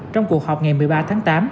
trong cuộc họp ngày một mươi ba tháng tám